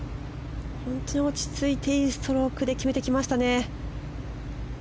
本当に落ち着いていいストロークで決めてきましたね。